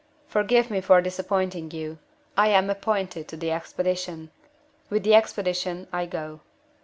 "Forgive me for disappointing you. I am appointed to the expedition. With the expedition I go."